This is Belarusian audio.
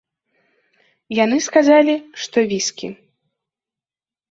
Яны сказалі, што віскі.